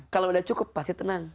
kalau udah cukup pasti tenang